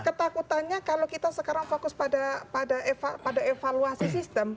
ketakutannya kalau kita sekarang fokus pada evaluasi sistem